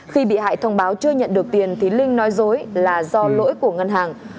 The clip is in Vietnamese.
khi bị hại thông báo chưa nhận được tiền thì linh nói dối là do lỗi của ngân hàng